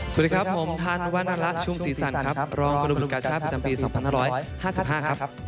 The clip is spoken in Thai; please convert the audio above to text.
สวัสดีครับผมธันวรรณรัฐชุมศรีสันครับรองกรมโลกาชาติประจำปี๒๕๕๕ครับ